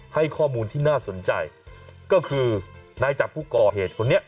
ให้ข้อมูลที่น่าสนใจก็คือนายจักรผู้ก่อเหตุคนนี้